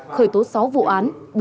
khởi tố sáu vụ án